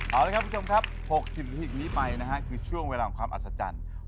เอาละครับคุณผู้ชมครับ๖๐นาทีนี้ไปนะฮะคือช่วงเวลาของความอัศจรรย์